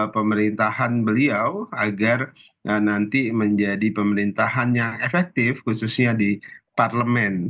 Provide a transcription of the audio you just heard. pemerintahan beliau agar nanti menjadi pemerintahan yang efektif khususnya di parlemen